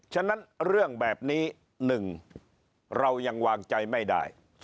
ฉะนั้นเรื่องแบบนี้๑เรายังวางใจไม่ได้